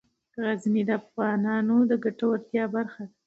غزني د افغانانو د ګټورتیا برخه ده.